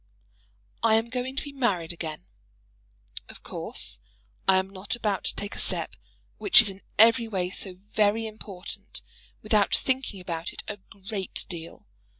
I am going to be married again. Of course I am not about to take a step which is in every way so very important without thinking about it a great deal.